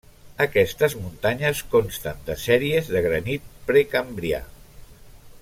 Aquestes muntanyes consten de sèries de granit precambrià.